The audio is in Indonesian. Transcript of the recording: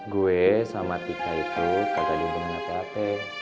gue sama tika itu gak ada hubungan hp hp